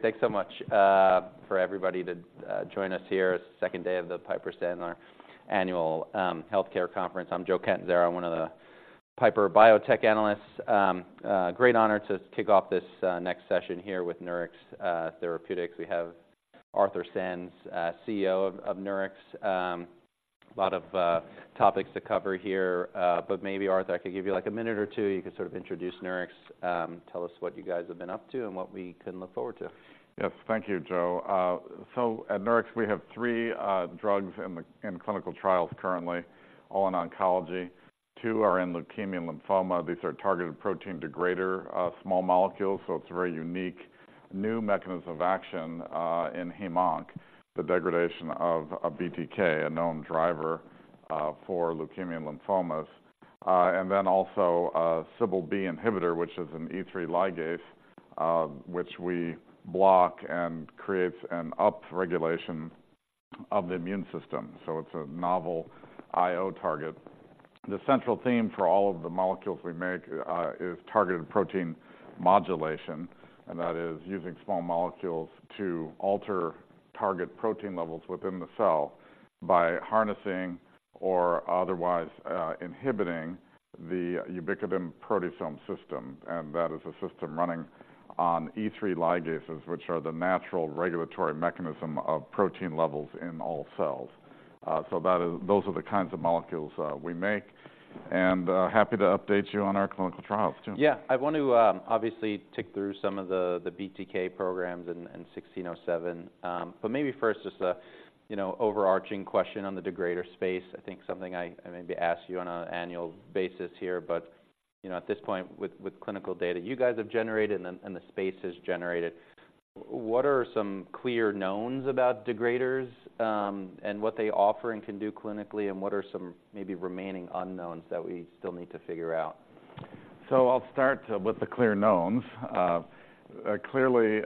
Thanks so much for everybody to join us here. It's the second day of the Piper Sandler Annual Healthcare Conference. I'm Joe Catanzaro, one of the Piper biotech analysts. Great honor to kick off this next session here with Nurix Therapeutics. We have Arthur Sands, CEO of Nurix. A lot of topics to cover here, but maybe, Arthur, I could give you, like, a minute or two, you could sort of introduce Nurix, tell us what you guys have been up to, and what we can look forward to. Yes. Thank you, Joe. So at Nurix, we have three drugs in clinical trials currently, all in oncology. two are in leukemia and lymphoma. These are targeted protein degrader small molecules, so it's a very unique new mechanism of action in heme/onc, the degradation of a BTK, a known driver for leukemia and lymphomas. And then also, a CBL-B inhibitor, which is an E3 ligase, which we block and creates an upregulation of the immune system, so it's a novel IO target. The central theme for all of The molecules we make, is targeted protein modulation, and that is using small molecules to alter target protein levels within the cell by harnessing or otherwise, inhibiting the ubiquitin-proteasome system, and that is a system running on E3 ligases, which are the natural regulatory mechanism of protein levels in all cells. Those are the kinds of molecules we make, and happy to update you on our clinical trials, too. Yeah. I want to obviously tick through some of the BTK programs and 1607, but maybe first, just you know, overarching question on the degrader space. I think something I maybe ask you on an annual basis here, but you know, at this point, with clinical data you guys have generated and the space has generated, what are some clear knowns about degraders, and what they offer and can do clinically, and what are some maybe remaining unknowns that we still need to figure out? So I'll start with the clear knowns. Clearly,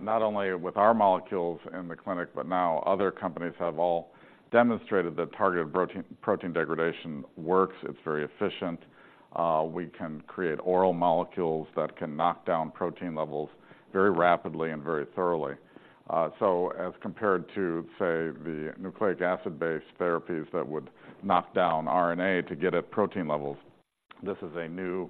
not only with our molecules in the clinic, but now other companies have all demonstrated that targeted protein degradation works. It's very efficient. We can create oral molecules that can knock down protein levels very rapidly and very thoroughly. So as compared to, say, the nucleic acid-based therapies that would knock down RNA to get at protein levels, this is a new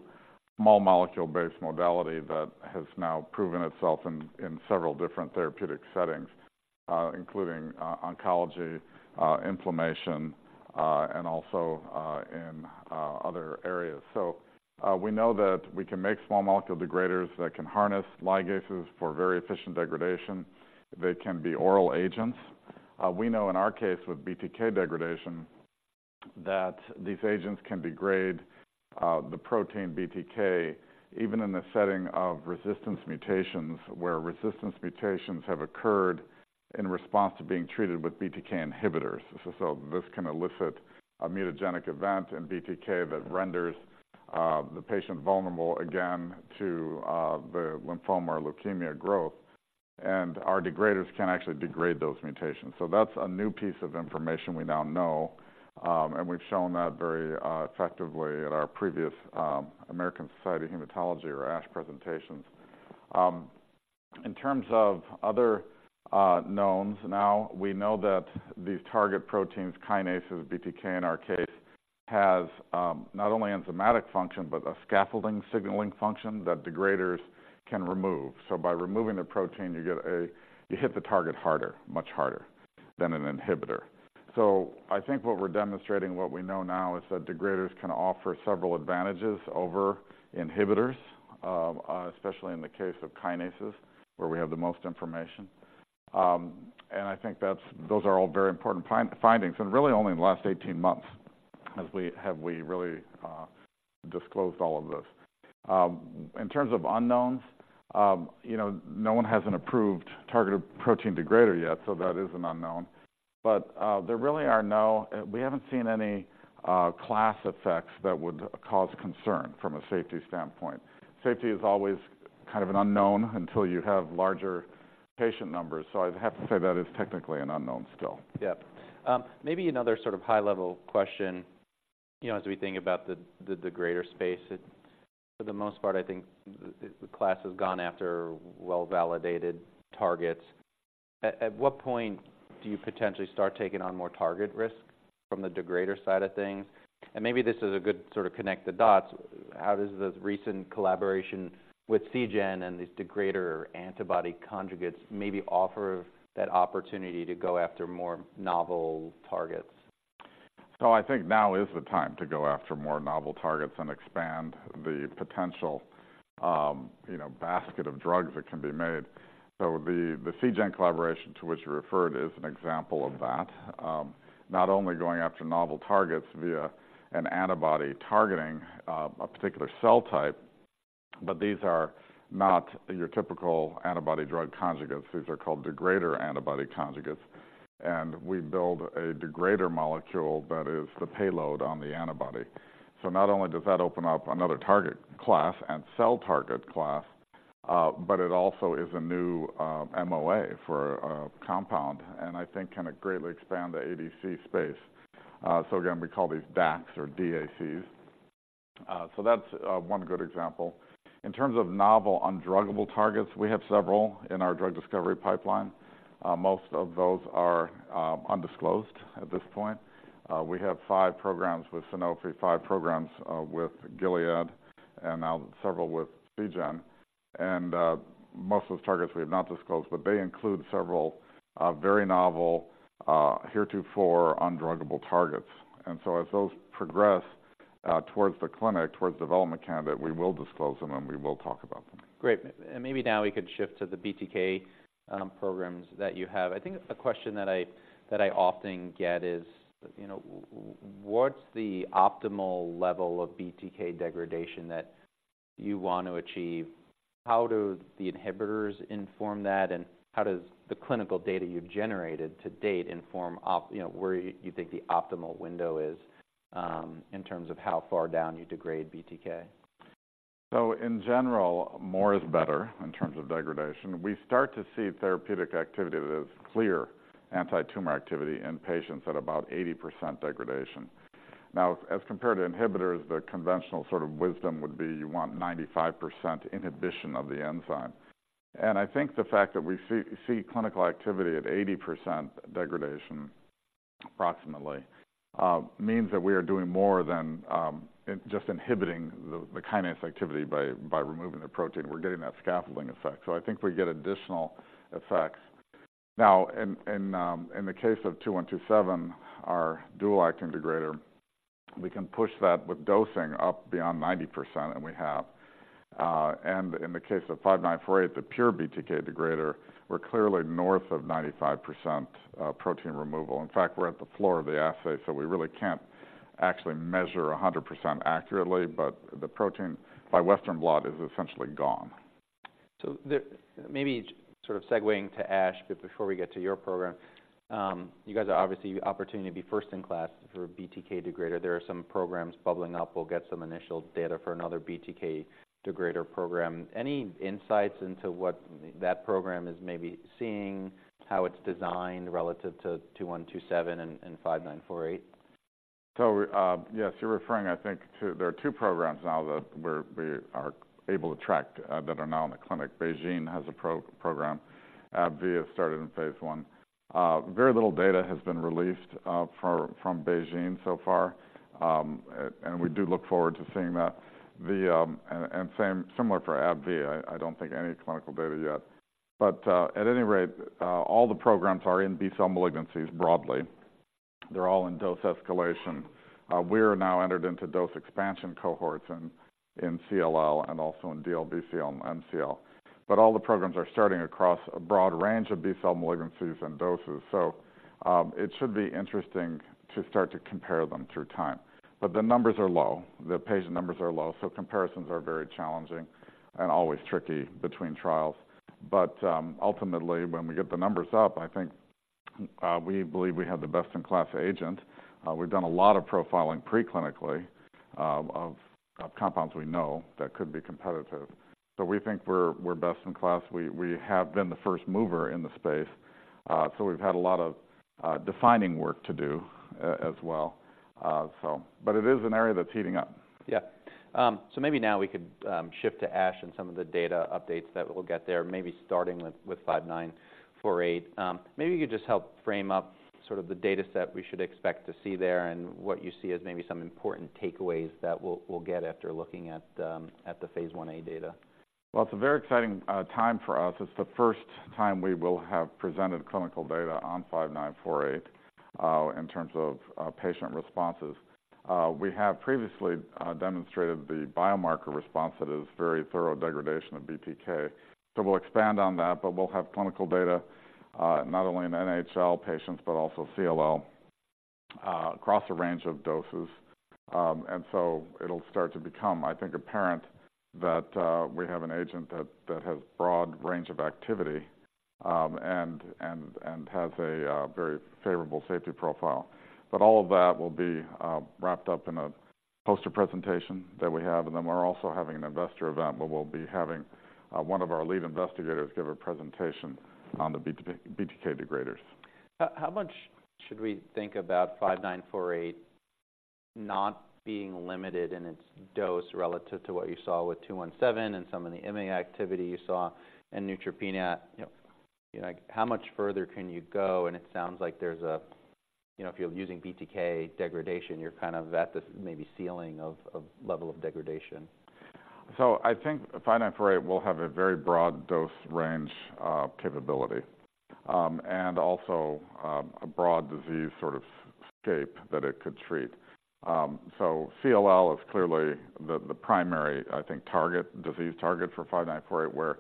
small molecule-based modality that has now proven itself in several different therapeutic settings, including oncology, inflammation, and also in other areas. So we know that we can make small molecule degraders that can harness ligases for very efficient degradation. They can be oral agents. We know in our case, with BTK degradation, that these agents can degrade the protein BTK, even in the setting of resistance mutations, where resistance mutations have occurred in response to being treated with BTK inhibitors. So this can elicit a mutagenic event in BTK that renders the patient vulnerable again to the lymphoma or leukemia growth, and our degraders can actually degrade those mutations. So that's a new piece of information we now know, and we've shown that very effectively at our previous American Society of Hematology or ASH presentations. In terms of other knowns, now, we know that these target proteins, kinases, BTK in our case, has not only enzymatic function, but a scaffolding signaling function that degraders can remove. So by removing the protein, you hit the target harder, much harder than an inhibitor. So I think what we're demonstrating, what we know now, is that degraders can offer several advantages over inhibitors, especially in the case of kinases, where we have the most information. And I think that those are all very important findings, and really only in the last 18 months, as we have really disclosed all of this. In terms of unknowns, you know, no one has an approved targeted protein degrader yet, so that is an unknown. But, there really are no... We haven't seen any class effects that would cause concern from a safety standpoint. Safety is always kind of an unknown until you have larger patient numbers, so I'd have to say that is technically an unknown still. Yeah. Maybe another sort of high-level question, you know, as we think about the degrader space, it for the most part, I think the class has gone after well-validated targets. At what point do you potentially start taking on more target risk from the degrader side of things? And maybe this is a good sort of connect the dots, how does this recent collaboration with Seagen and these degrader antibody conjugates maybe offer that opportunity to go after more novel targets? So I think now is the time to go after more novel targets and expand the potential, you know, basket of drugs that can be made. So the Seagen collaboration, to which you referred, is an example of that. Not only going after novel targets via an antibody targeting a particular cell type, but these are not your typical antibody drug conjugates. These are called degrader antibody conjugates, and we build a degrader molecule that is the payload on the antibody. So not only does that open up another target class and cell target class, but it also is a new MOA for a compound, and I think can greatly expand the ADC space. So again, we call these DACs or D-A-Cs. So that's one good example. In terms of novel undruggable targets, we have several in our drug discovery pipeline. Most of those are undisclosed at this point. We have five programs with Sanofi, five programs with Gilead, and now several with Seagen. And most of those targets we have not disclosed, but they include several very novel heretofore undruggable targets. And so as those progress towards the clinic, towards development candidate, we will disclose them, and we will talk about them. Great. And maybe now we could shift to the BTK programs that you have. I think a question that I often get is, you know, what's the optimal level of BTK degradation that you want to achieve? How do the inhibitors inform that, and how does the clinical data you've generated to date inform, you know, where you think the optimal window is, in terms of how far down you degrade BTK? So in general, more is better in terms of degradation. We start to see therapeutic activity that is clear anti-tumor activity in patients at about 80% degradation. Now, as compared to inhibitors, the conventional sort of wisdom would be, you want 95% inhibition of the enzyme. And I think the fact that we see clinical activity at 80% degradation, approximately, means that we are doing more than just inhibiting the kinase activity by removing the protein. We're getting that scaffolding effect. So I think we get additional effects. Now, in the case of 2127, our dual ACT degrader, we can push that with dosing up beyond 90%, and we have. And in the case of 5948, the pure BTK degrader, we're clearly north of 95%, protein removal. In fact, we're at the floor of the assay, so we really can't actually measure 100% accurately, but the protein by Western blot is essentially gone. Maybe sort of segueing to ASH, but before we get to your program, you guys are obviously opportunity to be first-in-class for BTK degrader. There are some programs bubbling up. We'll get some initial data for another BTK degrader program. Any insights into what that program is maybe seeing, how it's designed relative to NX-2127 and NX-5948? So, yes, you're referring, I think, to... There are two programs now that we are able to track that are now in the clinic. BeiGene has a program that started in phase I. Very little data has been released from BeiGene so far, and we do look forward to seeing that. The same for AbbVie. I don't think any clinical data yet, but, at any rate, all the programs are in B-cell malignancies broadly. They're all in dose escalation. We are now entered into dose expansion cohorts in CLL and also in DLBCL and MCL. But all the programs are starting across a broad range of B-cell malignancies and doses. So, it should be interesting to start to compare them through time. But the numbers are low, the patient numbers are low, so comparisons are very challenging and always tricky between trials. But ultimately, when we get the numbers up, I think we believe we have the best-in-class agent. We've done a lot of profiling preclinically of compounds we know that could be competitive. So we think we're best in class. We have been the first mover in the space, so we've had a lot of defining work to do, so. But it is an area that's heating up. Yeah. So maybe now we could shift to ASH and some of the data updates that we'll get there, maybe starting with 5948. Maybe you could just help frame up sort of the data set we should expect to see there and what you see as maybe some important takeaways that we'll get after looking at the phase Ia data. Well, it's a very exciting time for us. It's the first time we will have presented clinical data on NX-5948 in terms of patient responses. We have previously demonstrated the biomarker response that is very thorough degradation of BTK. So we'll expand on that, but we'll have clinical data not only in NHL patients, but also CLL across a range of doses. And so it'll start to become, I think, apparent that we have an agent that has broad range of activity and has a very favorable safety profile. But all of that will be wrapped up in a poster presentation that we have, and then we're also having an investor event where we'll be having one of our lead investigators give a presentation on BTK degraders. How much should we think about NX-5948 not being limited in its dose relative to what you saw with NX-2127 and some of the IMiD activity you saw in neutropenia? You know, like, how much further can you go? And it sounds like there's a... You know, if you're using BTK degradation, you're kind of at this maybe ceiling of level of degradation. So I think 5948 will have a very broad dose range, capability, and also, a broad disease sort of scope that it could treat. So CLL is clearly the primary, I think, target, disease target for 5948, where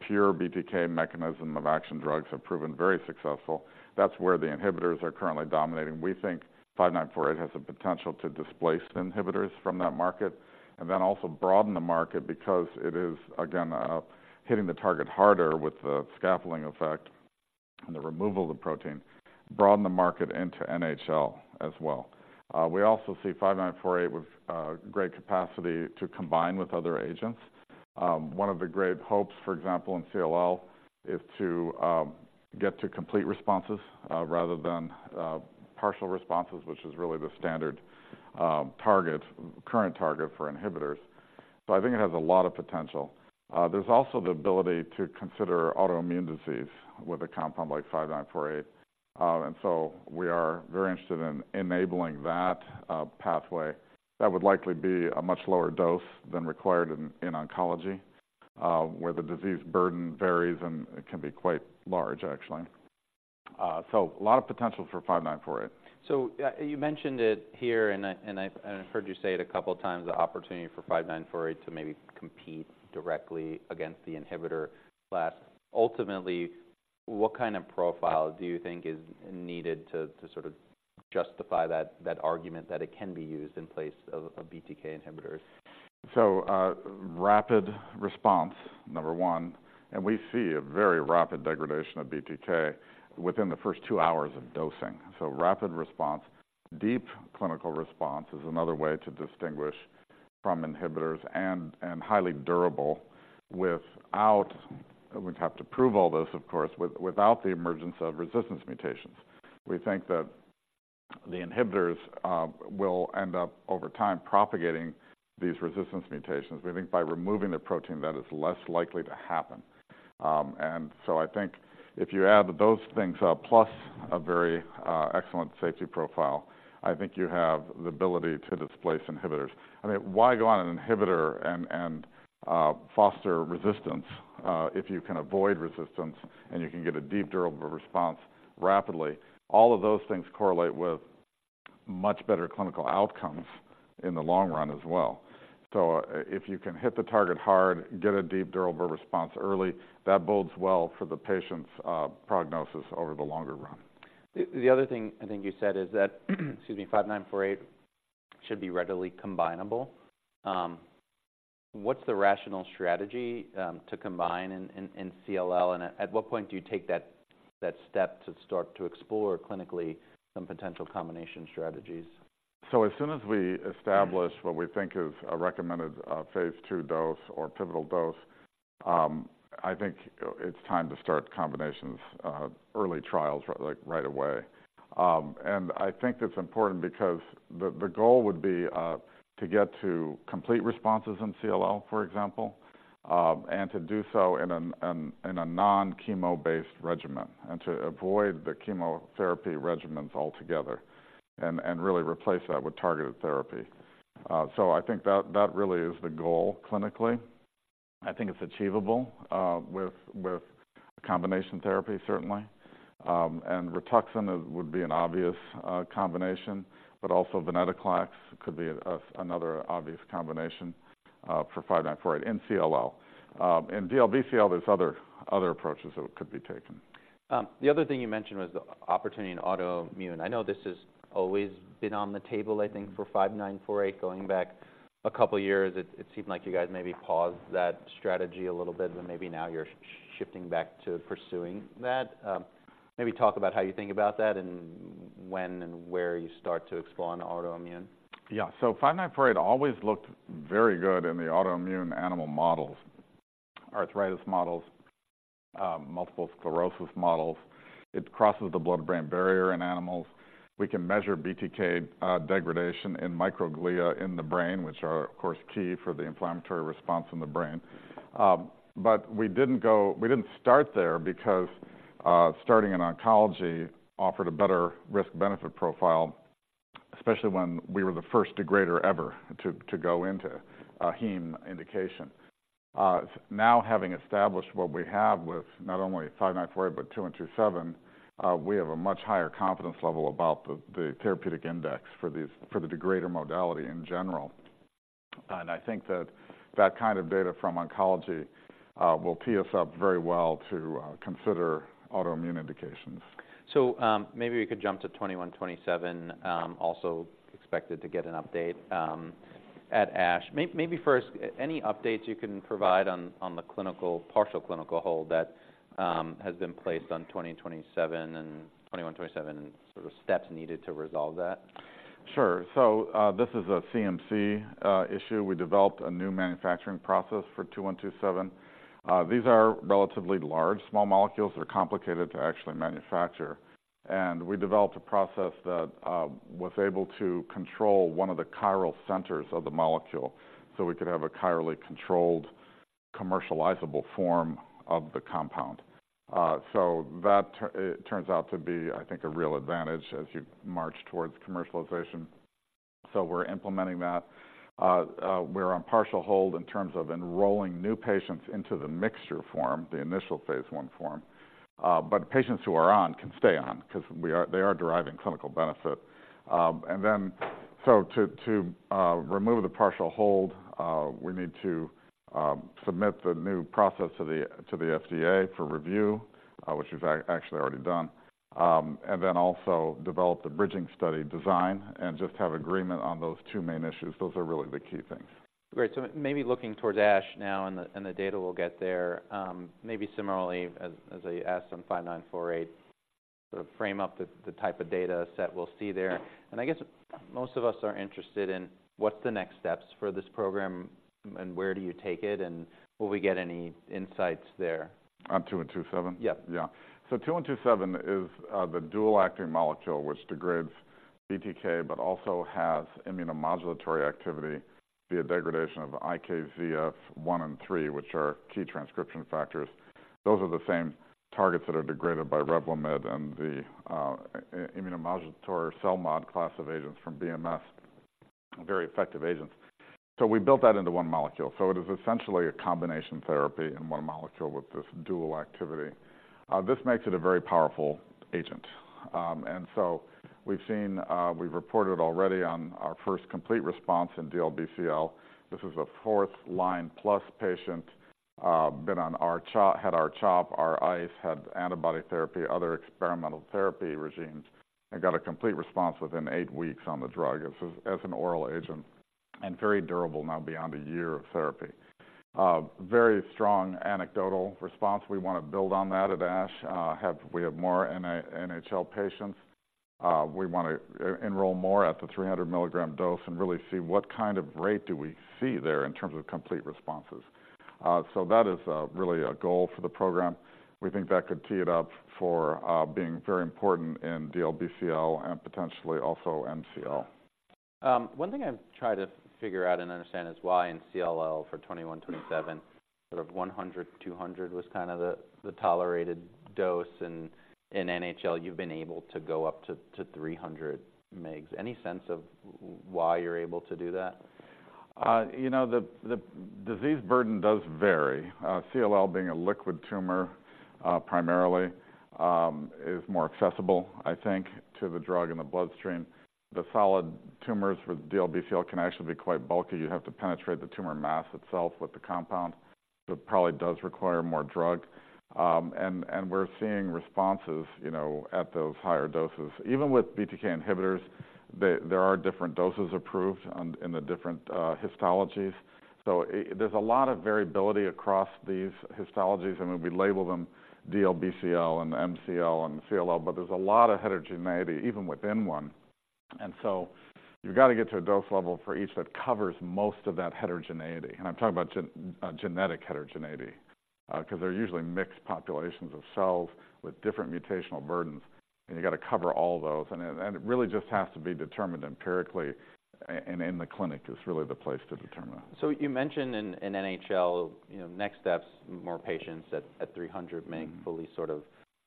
pure BTK mechanism of action drugs have proven very successful. That's where the inhibitors are currently dominating. We think 5948 has the potential to displace the inhibitors from that market and then also broaden the market because it is, again, hitting the target harder with the scaffolding effect and the removal of the protein, broaden the market into NHL as well. We also see 5948 with great capacity to combine with other agents.... One of the great hopes, for example, in CLL, is to get to complete responses rather than partial responses, which is really the standard current target for inhibitors. So I think it has a lot of potential. There's also the ability to consider autoimmune disease with a compound like NX-5948. And so we are very interested in enabling that pathway. That would likely be a much lower dose than required in oncology, where the disease burden varies, and it can be quite large, actually. So a lot of potential for NX-5948. So, you mentioned it here, and I've heard you say it a couple of times, the opportunity for NX-5948 to maybe compete directly against the inhibitor class. Ultimately, what kind of profile do you think is needed to sort of justify that argument that it can be used in place of a BTK inhibitor? So, rapid response, number 1, and we see a very rapid degradation of BTK within the first 2 hours of dosing. So rapid response. Deep clinical response is another way to distinguish from inhibitors, and highly durable without the emergence of resistance mutations. We'd have to prove all this, of course. We think that the inhibitors will end up, over time, propagating these resistance mutations. We think by removing the protein, that is less likely to happen. And so I think if you add those things up, plus a very excellent safety profile, I think you have the ability to displace inhibitors. I mean, why go on an inhibitor and foster resistance, if you can avoid resistance and you can get a deep durable response rapidly? All of those things correlate with much better clinical outcomes in the long run as well. So if you can hit the target hard, get a deep durable response early, that bodes well for the patient's prognosis over the longer run. The other thing I think you said is that, excuse me, NX-5948 should be readily combinable. What's the rationale strategy to combine in CLL? And at what point do you take that step to start to explore clinically some potential combination strategies? So as soon as we establish what we think is a recommended phase II dose or pivotal dose, I think it's time to start combinations early trials, like, right away. And I think that's important because the goal would be to get to complete responses in CLL, for example, and to do so in a non-chemo-based regimen, and to avoid the chemotherapy regimens altogether and really replace that with targeted therapy. So I think that really is the goal clinically. I think it's achievable with combination therapy, certainly. And Rituxan would be an obvious combination, but also venetoclax could be another obvious combination for 5948 in CLL. In DLBCL, there's other approaches that could be taken. The other thing you mentioned was the opportunity in autoimmune. I know this has always been on the table, I think, for NX-5948, going back a couple of years. It seemed like you guys maybe paused that strategy a little bit, but maybe now you're shifting back to pursuing that. Maybe talk about how you think about that and when and where you start to explore on autoimmune. Yeah. So 5948 always looked very good in the autoimmune animal models, arthritis models, multiple sclerosis models. It crosses the blood-brain barrier in animals. We can measure BTK degradation in microglia in the brain, which are, of course, key for the inflammatory response in the brain. But we didn't start there because starting in oncology offered a better risk-benefit profile, especially when we were the first degrader ever to go into a heme indication. Now, having established what we have with not only 5948, but 2127, we have a much higher confidence level about the therapeutic index for these, for the degrader modality in general. And I think that that kind of data from oncology will tee us up very well to consider autoimmune indications. Maybe we could jump to NX-2127, also expected to get an update at ASH. Maybe first, any updates you can provide on the partial clinical hold that has been placed on NX-2027 and NX-2127, and sort of steps needed to resolve that? Sure. So, this is a CMC issue. We developed a new manufacturing process for NX-2127. These are relatively large, small molecules that are complicated to actually manufacture. And we developed a process that was able to control one of the chiral centers of the molecule, so we could have a chirally controlled, commercializable form of the compound. So that it turns out to be, I think, a real advantage as you march towards commercialization. So we're implementing that. We're on partial hold in terms of enrolling new patients into the mixture form, the initial phase I form. But patients who are on can stay on, 'cause they are deriving clinical benefit. And then, so to remove the partial hold, we need to submit the new process to the FDA for review, which we've actually already done, and then also develop the bridging study design and just have agreement on those two main issues. Those are really the key things. Great. So maybe looking towards ASH now and the data we'll get there, maybe similarly as I asked on 5948, sort of frame up the type of data set we'll see there. And I guess most of us are interested in what's the next steps for this program, and where do you take it, and will we get any insights there? On 2127? Yeah. Yeah. So NX-2127 is the dual-acting molecule, which degrades BTK, but also has immunomodulatory activity via degradation of IKZF1 and IKZF3, which are key transcription factors. Those are the same targets that are degraded by Revlimid and the immunomodulatory IMiD class of agents from BMS, very effective agents. So we built that into one molecule. So it is essentially a combination therapy in one molecule with this dual activity. This makes it a very powerful agent. And so we've seen. We've reported already on our first complete response in DLBCL. This is a fourth line plus patient, been on R-CHOP, had R-CHOP, R-ICE, had antibody therapy, other experimental therapy regimens, and got a complete response within eight weeks on the drug as an oral agent, and very durable now beyond a year of therapy. Very strong anecdotal response. We wanna build on that at ASH. We have more NHL patients. We want to enroll more at the 300 mg dose and really see what kind of rate do we see there in terms of complete responses. So that is really a goal for the program. We think that could tee it up for being very important in DLBCL and potentially also MCL. One thing I've tried to figure out and understand is why in CLL for 2127, sort of 100-200 was kind of the tolerated dose, and in NHL, you've been able to go up to 300 mg. Any sense of why you're able to do that? You know, the disease burden does vary. CLL, being a liquid tumor, primarily, is more accessible, I think, to the drug in the bloodstream. The solid tumors with DLBCL can actually be quite bulky. You have to penetrate the tumor mass itself with the compound, so it probably does require more drug. And we're seeing responses, you know, at those higher doses. Even with BTK inhibitors, there are different doses approved in the different histologies. So there's a lot of variability across these histologies, and we label them DLBCL, and MCL, and CLL, but there's a lot of heterogeneity, even within one. And so you've got to get to a dose level for each that covers most of that heterogeneity. I'm talking about genetic heterogeneity, 'cause they're usually mixed populations of cells with different mutational burdens, and you've got to cover all those. It really just has to be determined empirically, and in the clinic is really the place to determine that. So you mentioned in NHL, you know, next steps, more patients at 300 mg, fully sort of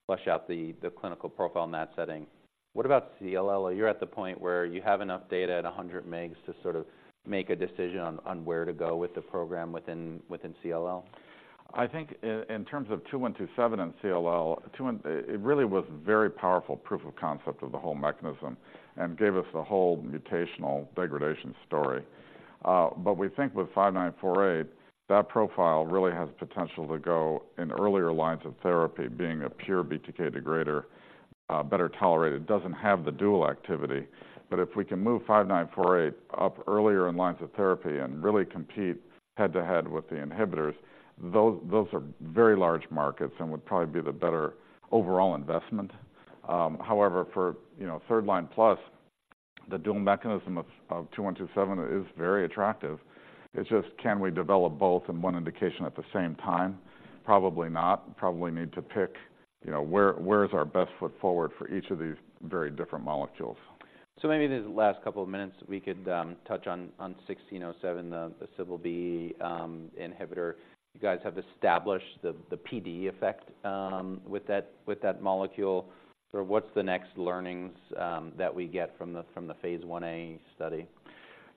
flush out the clinical profile in that setting. What about CLL? Are you at the point where you have enough data at 100 mgs to sort of make a decision on where to go with the program within CLL? I think in terms of 2127 and CLL. It really was a very powerful proof of concept of the whole mechanism and gave us the whole mutational degradation story. But we think with 5948, that profile really has potential to go in earlier lines of therapy, being a pure BTK degrader, better tolerated, doesn't have the dual activity. But if we can move 5948 up earlier in lines of therapy and really compete head-to-head with the inhibitors, those, those are very large markets and would probably be the better overall investment. However, for, you know, third line plus, the dual mechanism of 2127 is very attractive. It's just, can we develop both in one indication at the same time? Probably not. Probably need to pick, you know, where is our best foot forward for each of these very different molecules. So maybe these last couple of minutes, we could touch on 1607, the CBL-B inhibitor. You guys have established the PD effect with that molecule. So what's the next learnings that we get from the phase Ia study?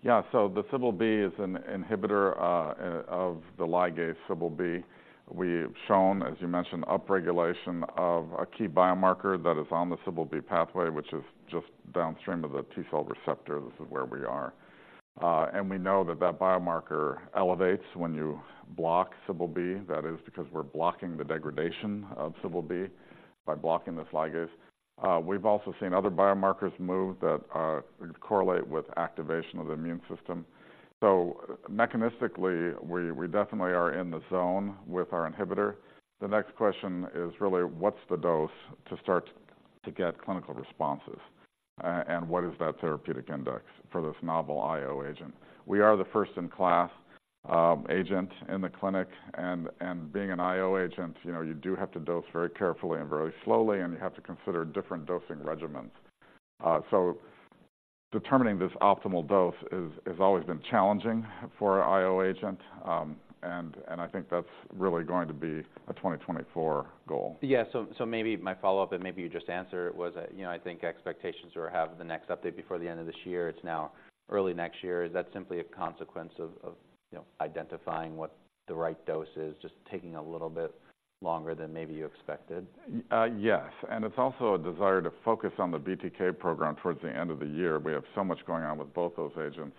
Yeah. So the CBL-B is an inhibitor of the ligase, CBL-B. We've shown, as you mentioned, upregulation of a key biomarker that is on the CBL-B pathway, which is just downstream of the T-cell receptor. This is where we are. And we know that that biomarker elevates when you block CBL-B. That is because we're blocking the degradation of CBL-B by blocking this ligase. We've also seen other biomarkers move that correlate with activation of the immune system. So mechanistically, we, we definitely are in the zone with our inhibitor. The next question is really, what's the dose to start to get clinical responses? And what is that therapeutic index for this novel IO agent? We are the first-in-class agent in the clinic, and being an IO agent, you know, you do have to dose very carefully and very slowly, and you have to consider different dosing regimens. So determining this optimal dose is always been challenging for an IO agent, and I think that's really going to be a 2024 goal. Yeah, so maybe my follow-up, and maybe you just answered, was that, you know, I think expectations or have the next update before the end of this year. It's now early next year. Is that simply a consequence of, you know, identifying what the right dose is, just taking a little bit longer than maybe you expected? Yes, and it's also a desire to focus on the BTK program towards the end of the year. We have so much going on with both those agents.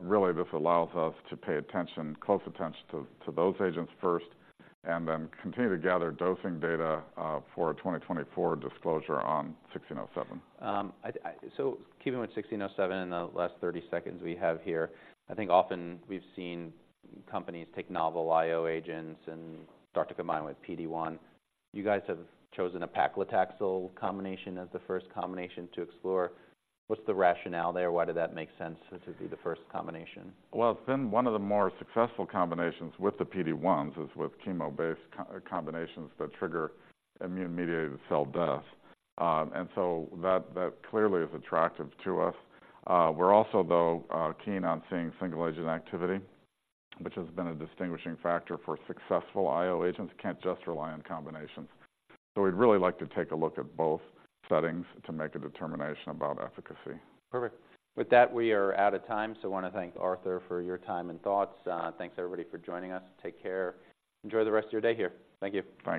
Really, this allows us to pay attention, close attention to, to those agents first and then continue to gather dosing data, for a 2024 disclosure on 1607. So keeping with NX-1607 in the last 30 seconds we have here, I think often we've seen companies take novel IO agents and start to combine with PD-1. You guys have chosen a paclitaxel combination as the first combination to explore. What's the rationale there? Why did that make sense to be the first combination? Well, it's been one of the more successful combinations with the PD-1s, is with chemo-based co-combinations that trigger immune-mediated cell death. And so that clearly is attractive to us. We're also, though, keen on seeing single-agent activity, which has been a distinguishing factor for successful IO agents, can't just rely on combinations. So we'd really like to take a look at both settings to make a determination about efficacy. Perfect. With that, we are out of time, so I wanna thank Arthur for your time and thoughts. Thanks, everybody, for joining us. Take care. Enjoy the rest of your day here. Thank you. Thanks.